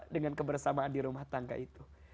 dengan kebersamaan di rumah tangga itu